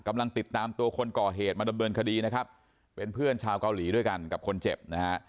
กำลังติดตามตัวคนก่อเหตุมาดำเนินคดีนะครับเป็นเพื่อนชาวเกาหลีด้วยกันกับคนเจ็บนะฮะ